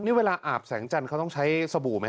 นี่เวลาอาบแสงจันทร์เขาต้องใช้สบู่ไหม